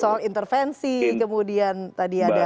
soal intervensi kemudian tadi ada